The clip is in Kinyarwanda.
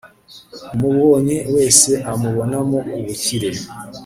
umubonye wese amubonamo ubukire